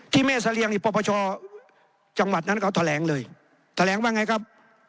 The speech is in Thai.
ที่เมษเรียงอิปประปชาจังหวัดนั่นเค้าแถลงเลยแถลงว่าไงครับ